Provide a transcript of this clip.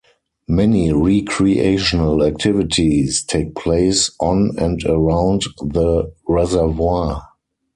Many recreational activities take place on and around the reservoir.